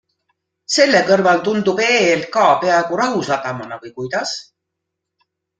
Selle kõrval tundub EELK peaaegu rahusadamana või kuidas?